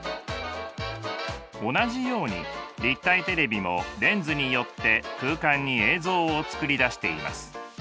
同じように立体テレビもレンズによって空間に映像を作り出しています。